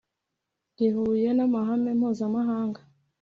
Rihuye n amahame mpuzamahanga